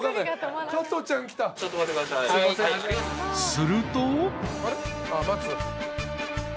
［すると］